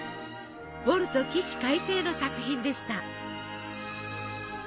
ウォルト起死回生の作品でした。